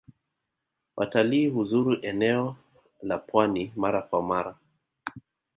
Watali huzuru enea la pwani mara kwa mara.